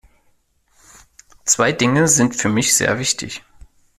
Zwei Dinge sind für mich sehr wichtig.